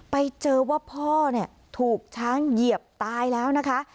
ไปเจอว่าพ่อเนี่ยถูกช้างเหยียบตายแล้วนะคะ